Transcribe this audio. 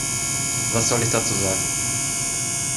Was soll ich dazu sagen?